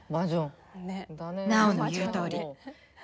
ナオの言うとおり。